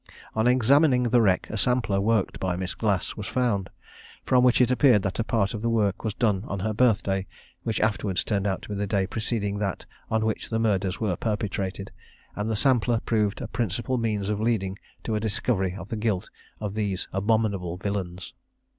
On examining the wreck a sampler worked by Miss Glass was found, from which it appeared that a part of the work was done on her birthday, which afterwards turned out to be the day preceding that on which the murders were perpetrated; and the sampler proved a principal means of leading to a discovery of the guilt of these abominable villains.